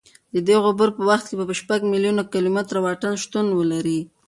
د دې عبور په وخت کې به شپږ میلیونه کیلومتره واټن شتون ولري.